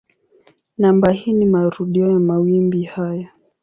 Namba hii ni marudio ya mawimbi haya.